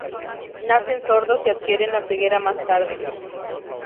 Nacen sordos y adquieren la ceguera más tarde.